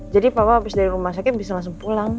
jadi papa abis dari rumah sakit bisa langsung pulang